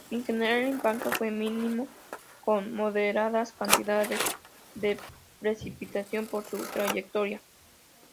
En general el impacto fue mínimo, con moderadas cantidades de precipitación por su trayectoria.